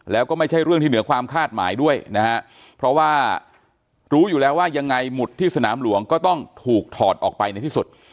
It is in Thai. แล้วก็ไม่ใช่เรื่องที่เหนือความคาดหมายด้วยนะฮะเพราะว่ารู้อยู่แล้วว่ายังไงหมุดที่สนามหลวงก็ต้องถูกถอดออกไปในที่สุด